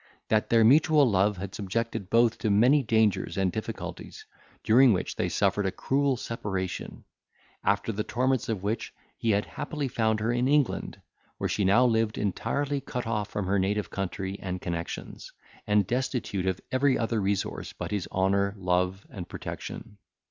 That their mutual love had subjected both to many dangers and difficulties, during which they suffered a cruel separation; after the torments of which, he had happily found her in England, where she now lived entirely cut off from her native country and connexions, and destitute of every other resource but his honour, love, and protection.